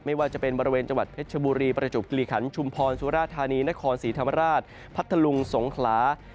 ไม่ว่าจะเป็นบริเวณจังหวัดเพชรชบุรีประจบกิริขันชุมพรสุราธานีนครศรีธรรมราชพัทธลุงสงขลา